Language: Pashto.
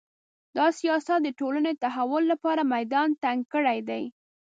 دا سیاست د ټولنې د تحول لپاره میدان تنګ کړی دی